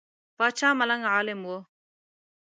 پاچا ملنګ عالم وو.